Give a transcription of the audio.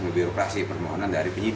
untuk temuan teman dari hasil